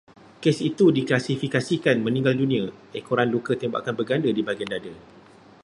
Kes itu diklasifikasikan meninggal dunia ekoran luka tembakan berganda di bahagian dada